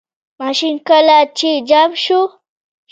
ماشین لکه چې جام شو.